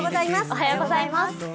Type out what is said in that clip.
おはようございます。